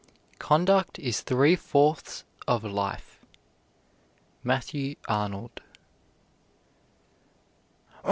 Conduct is three fourths of life. MATTHEW ARNOLD.